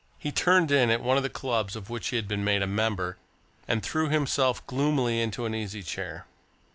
He turned in at one of the clubs of which he had been made a member, and threw himself gloomily into an easy chair.